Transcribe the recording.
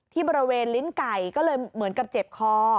ที่บริเวณลิ้นไก่ก็เลยเหมือนกับเจ็บคอ